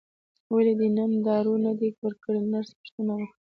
ولې دې نن دارو نه دي ورکړي نرس پوښتنه وکړه.